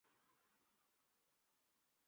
মীরার রাগ বেশিক্ষণ থাকল না।